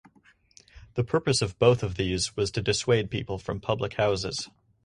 The purpose of both of these was to dissuade people from public houses.